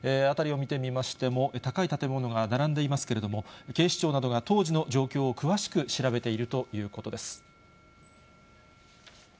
辺りを見てみましても、高い建物が並んでいますけれども、警視庁などが当時の状況を詳しく調べているということです。